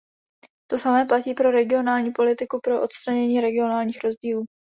To samé platí pro regionální politiku, pro odstranění regionálních rozdílů.